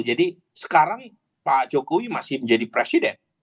jadi sekarang pak jokowi masih menjadi presiden